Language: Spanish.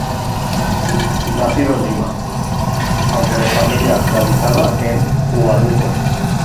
Nacido en Lima, aunque de familia radicada en Huánuco.